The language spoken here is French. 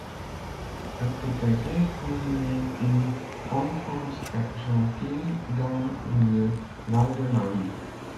Akli Tadjer connaît une enfance à Gentilly, dans le Val-de-Marne.